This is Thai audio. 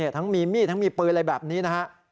ทั้งมีมีดทั้งมีปืนอะไรแบบนี้นะฮะ